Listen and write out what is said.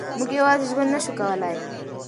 موږ یوازې ژوند نه شو کولای.